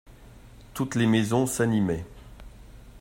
Toutes les maisons s'animaient.